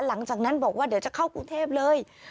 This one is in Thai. หลังจากนั้นบอกว่าเดี๋ยวจะเข้ากรุงเทพเลย